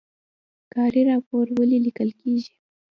کاري راپور ولې لیکل کیږي؟